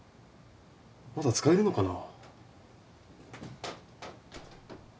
まだ使えるのかな？